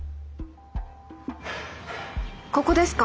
ここですか？